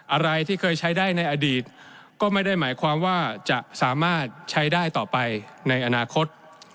อะไรที่เคยใช้ได้ในอดีตก็ไม่ได้หมายความว่าจะสามารถใช้ได้ต่อไปในอนาคต